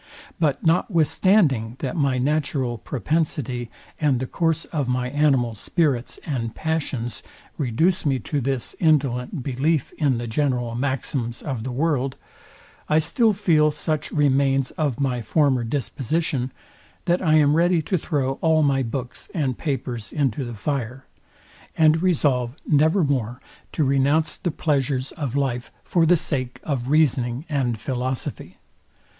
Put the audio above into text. But notwithstanding that my natural propensity, and the course of my animal spirits and passions reduce me to this indolent belief in the general maxims of the world, I still feel such remains of my former disposition, that I am ready to throw all my books and papers into the fire, and resolve never more to renounce the pleasures of life for the sake of reasoning and philosophy.